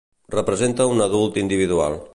Representa un adult individual.